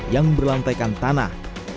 yang berlantaikan tanah